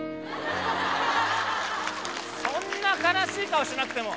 そんな悲しい顔しなくても。